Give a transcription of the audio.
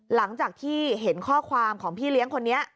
หลังจากที่เห็นข้อความของพี่เลี้ยงคนนี้